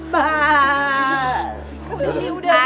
pak uyar pak jendral